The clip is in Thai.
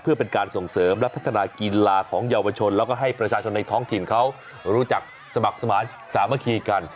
เพื่อเป็นการส่งเสริมและพัฒนากีฬาของเยาวชนแล้วก็ให้ประชาชนในท้องถิ่นเขารู้จักสมัครสมาธิสามัคคีกัน